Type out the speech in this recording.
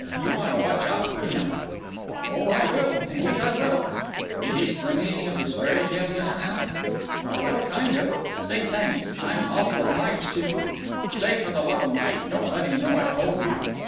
You want to watch out for him." "Oh, I will; indeed I will—" "Did he spring any of this fairy tale just now?" "Well, kind of. Say, thanks, I'm awful obliged to—" "Say, for the love of Mike, don't let him know I told you."